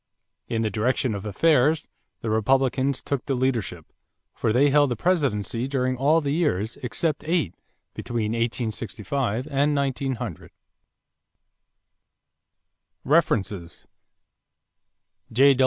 In the direction of affairs, the Republicans took the leadership, for they held the presidency during all the years, except eight, between 1865 and 1900. =References= J.